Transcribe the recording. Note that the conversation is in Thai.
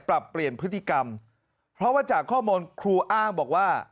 ปรับเปลี่ยนพฤติกรรมเพราะว่าจากข้อมูลครูอ้างบอกว่า